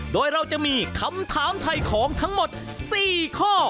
โดยเราจะมีคำถามถ่ายของทั้งหมด๔ข้อ